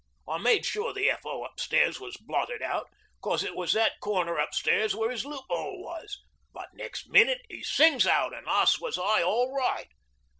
I made sure the F.O. upstairs was blotted out, 'cos it was that corner upstairs where 'is loophole was; but next minute 'e sings out an' asks was I all right.